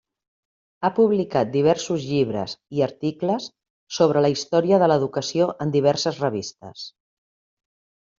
Ha publicat diversos llibres i articles sobre la història de l'educació en diverses revistes.